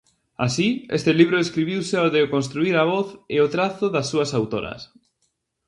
Así, este libro escribiuse ao desconstruír a voz e o trazo das súas autoras.